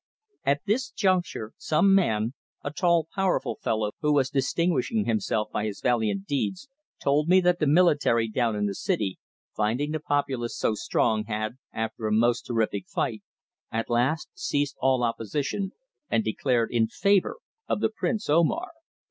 At this juncture some man, a tall, powerful fellow who was distinguishing himself by his valiant deeds, told me that the military down in the city, finding the populace so strong, had, after a most terrific fight, at last ceased all opposition and declared in favour of the Prince Omar.